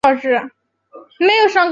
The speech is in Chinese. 中心成员由前田敦子担当。